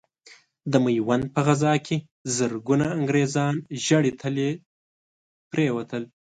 د ميوند په غزا کې زرګونه انګرېزان ژړې تلې پرې وتل.